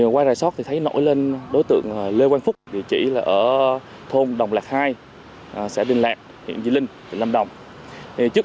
qua rải sót thì thấy nổi lên đối tượng lê quang phúc địa chỉ là ở thôn đồng lạc hai